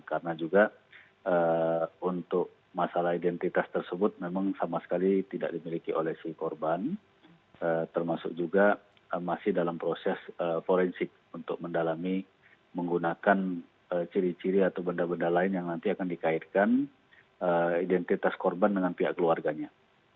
karena juga untuk masalah identitas tersebut memang sama sekali tidak dimiliki oleh si korban termasuk juga masih dalam proses forensik untuk mendalami menggunakan ciri ciri atau benda benda lain yang nanti akan dikaitkan identitas korban dengan pihak keluarganya